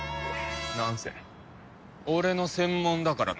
なんせ俺の専門だからな。